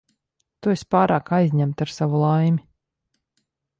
Tu esi pārāk aizņemta ar savu laimi.